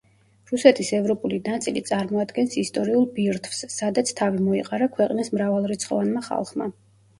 რუსეთის ევროპული ნაწილი წარმოადგენს ისტორიულ ბირთვს, სადაც თავი მოიყარა ქვეყნის მრავალრიცხოვანმა ხალხმა.